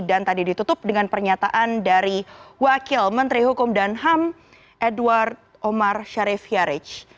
dan tadi ditutup dengan pernyataan dari wakil menteri hukum dan ham edward omar sharif yaric